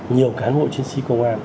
nhiều cán bộ chiến sĩ công an